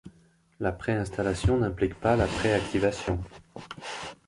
La pré-installation n'implique pas la pré-activation.